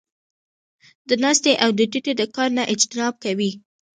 د ناستې او د ټيټې د کار نۀ اجتناب کوي -